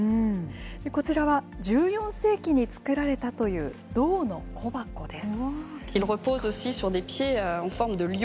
こちらは、１４世紀に作られたという銅の小箱です。